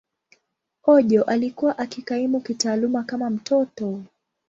Ojo alikuwa akikaimu kitaaluma kama mtoto.